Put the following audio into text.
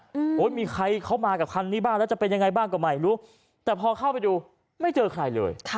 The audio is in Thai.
โอ้ยมีใครเข้ามากับคันนี้บ้างแล้วจะเป็นยังไงบ้างก็ไม่รู้แต่พอเข้าไปดูไม่เจอใครเลยค่ะ